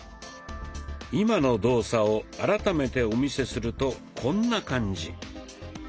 今の動作を改めてお見せするとこんな感じ。